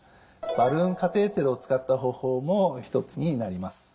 バルーンカテーテルを使った方法も一つになります。